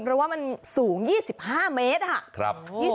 เพราะว่ามันสูง๒๕เมตร